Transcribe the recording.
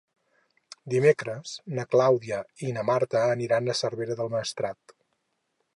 Dimecres na Clàudia i na Marta aniran a Cervera del Maestrat.